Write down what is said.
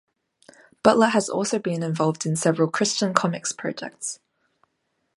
Butler has also been involved in several Christian comics projects.